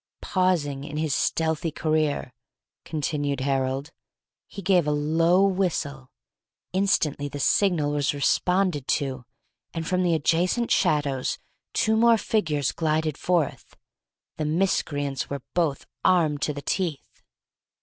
"Pausing in his stealthy career," continued Harold, "he gave a low whistle. Instantly the signal was responded to, and from the adjacent shadows two more figures glided forth. The miscreants were both armed to the teeth."